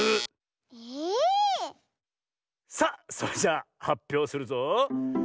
さあそれじゃはっぴょうするぞ。